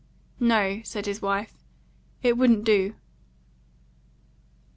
"No," said his wife, "it wouldn't do."